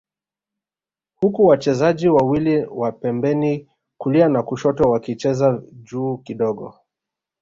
huku wachezaji wawili wa pembeni kulia na kushoto wakicheza juu kidogo